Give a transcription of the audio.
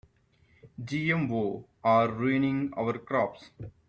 GMO are ruining our crops.